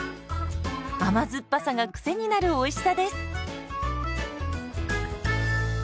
甘酸っぱさがクセになるおいしさです。